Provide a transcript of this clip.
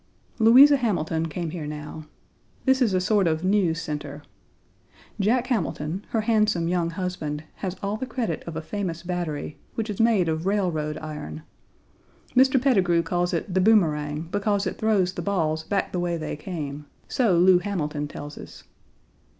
Louisa Hamilton came here now. This is a sort of news center. Jack Hamilton, her handsome young husband, has all the credit of a famous battery, which is made of railroad iron. Mr. Petigru calls it the boomerang, because it throws the balls back the way they came; so Lou Hamilton tells us.